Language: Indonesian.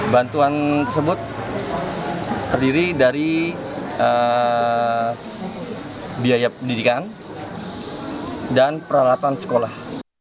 bantuan tersebut terdiri dari biaya pendidikan dan peralatan sekolah